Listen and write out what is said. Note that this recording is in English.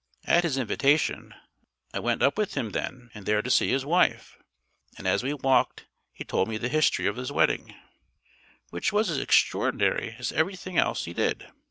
At his invitation, I went up with him then and there to see his wife; and as we walked he told me the history of his wedding, which was as extraordinary as everything else he did.